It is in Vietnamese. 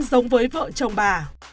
như giống với vợ chồng bà